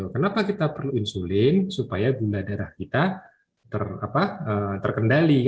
kenapa kita perlu insulin supaya gula darah kita terkendali